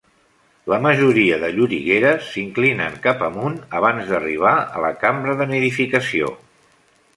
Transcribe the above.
La majoria de llorigueres s'inclinen cap amunt abans d'arribar a la cambra de nidificació.